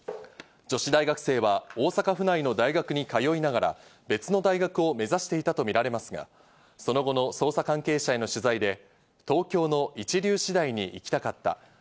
女子大学生は大阪府内の大学に通いながら別の大学を目指していたとみられますが、その後の捜査関係者への取材で東京の一流私大に行きたかった。